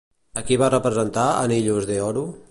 A qui va representar a Anillos de oro?